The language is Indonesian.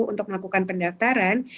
untuk melakukan pendaftaran